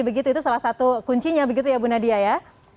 begitu itu salah satu kuncinya begitu ya bu nadia ya